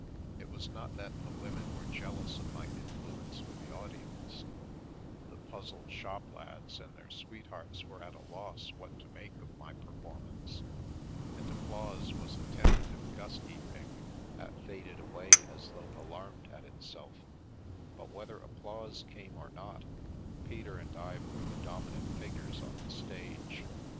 It was not that the women were jealous of my influence with the audience — the puzzled shop lads and their sweethearts were at a loss what to make of my performance, and applause was a tentative, gusty thing, that faded away as though alarmed at itself; but whether applause came or not, Peter and I were the dominant figures on the stage.